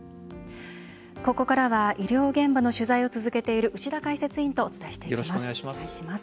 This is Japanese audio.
ここからは医療現場の取材を続けている牛田解説委員とお伝えしていきます。